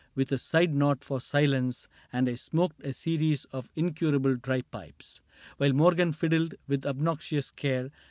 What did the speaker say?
With a side nod for silence, and I smoked A series of incurable dry pipes While Morgan fiddled, with obnoxious care.